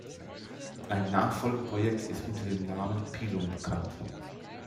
Ein Nachfolgeprojekt ist unter dem Namen „Pilum“ bekannt.